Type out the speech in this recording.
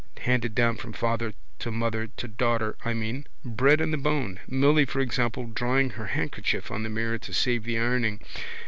Handed down from father to, mother to daughter, I mean. Bred in the bone. Milly for example drying her handkerchief on the mirror to save the ironing.